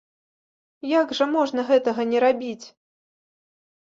Як жа можна гэтага не рабіць!